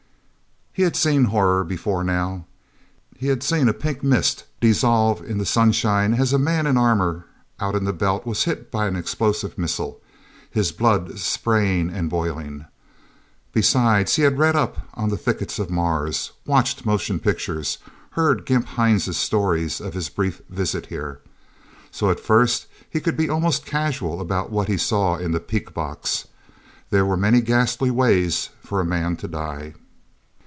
He had seen horror before now. He had seen a pink mist dissolve in the sunshine as a man in armor out in the Belt was hit by an explosive missile, his blood spraying and boiling. Besides, he had read up on the thickets of Mars, watched motion pictures, heard Gimp Hines' stories of his brief visit here. So, at first, he could be almost casual about what he saw in the peek box. There were many ghastly ways for a man to die.